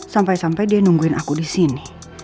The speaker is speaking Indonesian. sampai sampai dia nungguin aku disini